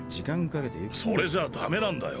それじゃあダメなんだよ。